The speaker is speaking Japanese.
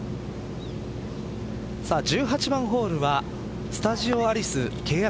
１８番ホールはスタジオアリス契約